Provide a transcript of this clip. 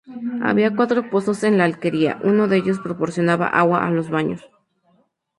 Había cuatro pozos en la alquería, uno de ellos proporcionaba agua a los baños.